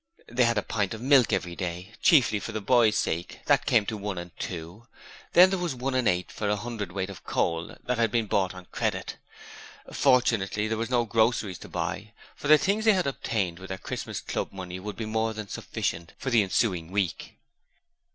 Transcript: They had a pint of milk every day, chiefly for the boy's sake that came to one and two. Then there was one and eight for a hundredweight of coal that had been bought on credit. Fortunately, there were no groceries to buy, for the things they had obtained with their Christmas Club money would be more than sufficient for the ensuing week.